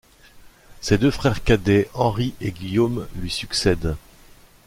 Ses deux frères cadets Henri et Guillaume lui succèdent.